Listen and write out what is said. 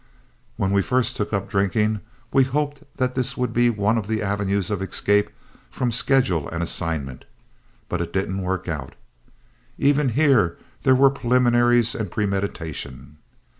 When we first took up drinking we hoped that this would be one of the avenues of escape from schedule and assignment, but it didn't work out. Even here there were preliminaries and premeditation.